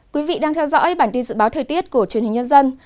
quý vị đang theo dõi bản tin dự báo thời tiết của truyền hình nhân dân